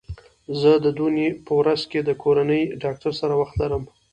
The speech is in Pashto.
زه د دونۍ په ورځ د کورني ډاکټر سره وخت لرم